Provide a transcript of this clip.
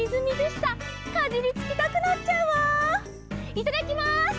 いただきます！